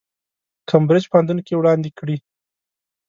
کمبریج پوهنتون کې وړاندې کړي.